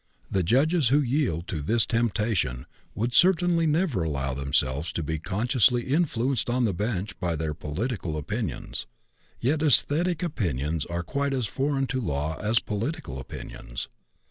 The judges who yield to this temptation would certainly never allow themselves to be consciously influenced on the bench by their political opinions. Yet esthetic opinions are quite as foreign to law as political opinions.